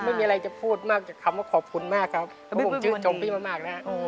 ก็ไม่มีเลยจะพูดขอบคุณมากครับผมจ้มพี่มาก